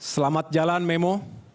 selamat jalan memo